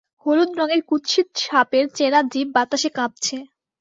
হলুদ রঙের কুৎসিত সাপের চেরা জিব বাতাসে কাঁপছে।